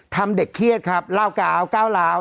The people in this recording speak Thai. เด็กเครียดครับเล่ากาวก้าวร้าว